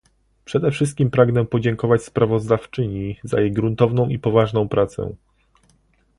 Przede wszystkim pragnę podziękować sprawozdawczyni za jej gruntowną i poważną pracę